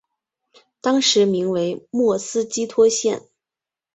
当时名为莫斯基托县。